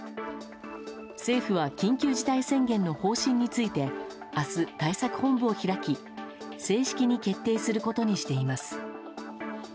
政府は緊急事態宣言の方針について明日、対策本部を開き正式に決定することにしています。